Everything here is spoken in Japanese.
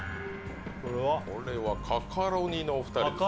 これはカカロニのお二人ですね